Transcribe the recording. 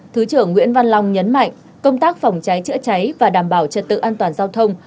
thứ trưởng nguyễn văn long nhấn mạnh công tác phòng cháy chữa cháy và đảm bảo trật tự an toàn giao thông